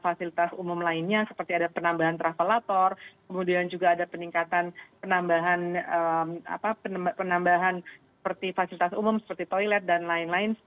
fasilitas umum lainnya seperti ada penambahan travellator kemudian juga ada peningkatan seperti fasilitas umum seperti toilet dan lain lain